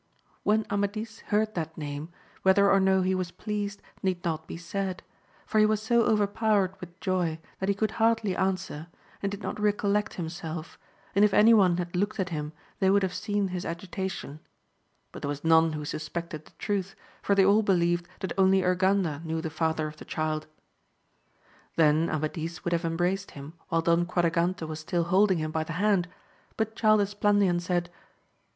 When Amadis heard that name, whether or no he was pleased need not be said ; for he was so overpowered with joy that he could hardly answer, and did not recollect himself, andif any one had looked at him they would have seen his agitation; but there was none who suspected the truth, for they all be lieved that only Urganda knew the father of the child. Then Amadis would have embraced him while Don Quadragante was still holding him by the hand, but child Esplandian said.